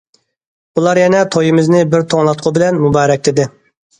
ئۇلار يەنە تويىمىزنى بىر توڭلاتقۇ بىلەن مۇبارەكلىدى.